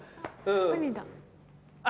ウニだ。